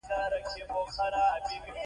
د ناستو کسانو پښو ته ځنځيرونه ور لوېدلې و.